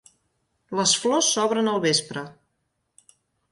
Les flors s'obren al vespre.